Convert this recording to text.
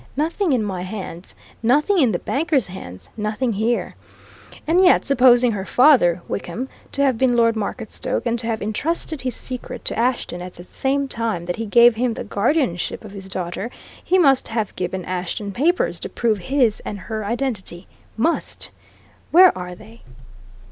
Nothing in my hands, nothing in the banker's hands, nothing here! And yet, supposing her father, Wickham, to have been Lord Marketstoke, and to have entrusted his secret to Ashton at the same time that he gave him the guardianship of his daughter, he must have given Ashton papers to prove his and her identity must! Where are they?"